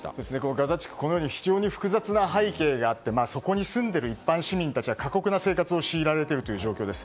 ガザ地区は非常に複雑な背景があってそこに住んでいる一般市民たちは過酷な生活を強いられている状況です。